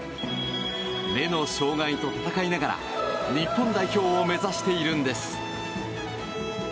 目の障害と闘いながら日本代表を目指しているんです。